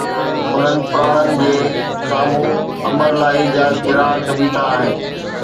انهن پراڻن جي سامهون امرلاهي جا گراهڪ بيٺا آهن